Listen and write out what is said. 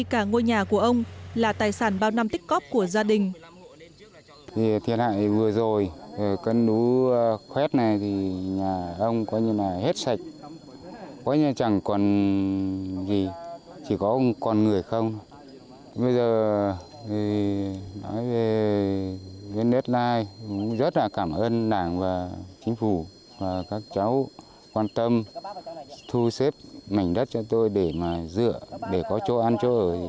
cả ngôi nhà của ông là tài sản bao năm tích cóp của gia đình